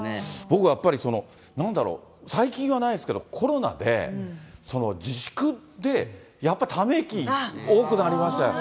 僕はやっぱりなんだろう、最近はないですけど、コロナで、自粛でやっぱりため息多くなりましたよ。